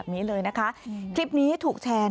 คลิปนี้ถูกแชร์ใน